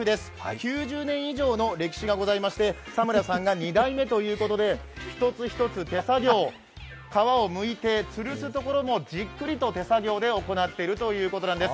９０年以上の歴史がございまして、佐村さんが２代目ということで一つ一つ手作業皮をむいて、つるすところもじっくりと手作業で行っているということです。